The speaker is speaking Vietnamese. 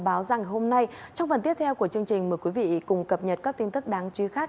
báo rằng hôm nay trong phần tiếp theo của chương trình mời quý vị cùng cập nhật các tin tức đáng chú ý khác